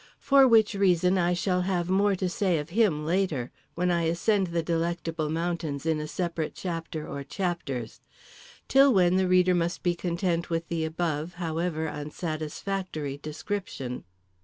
For which reason I shall have more to say of him later, when I ascend the Delectable Mountains in a separate chapter or chapters; till when the reader must be content with the above, however unsatisfactory description….